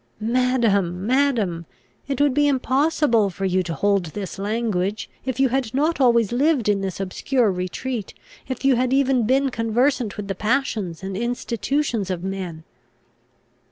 "Madam, madam! it would be impossible for you to hold this language, if you had not always lived in this obscure retreat, if you had ever been conversant with the passions and institutions of men."